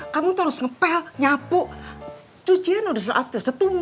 kamu terus nyapu